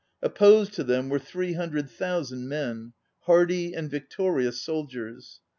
Opposed to them were three hundred thousand men, ŌĆö hardy and victorious soldiers.